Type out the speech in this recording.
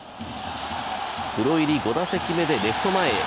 プロ入り５打席目でレフト前へ。